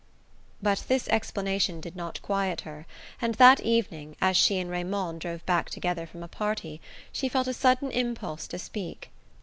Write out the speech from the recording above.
But this explanation did not quiet her, and that evening, as she and Raymond drove back together from a party, she felt a sudden impulse to speak.